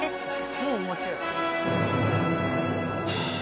もう面白い。